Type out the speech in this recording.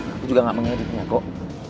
aku juga gak mengeditnya kok